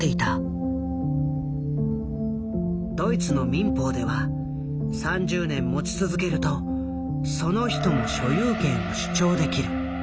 ドイツの民法では３０年持ち続けるとその人も所有権を主張できる。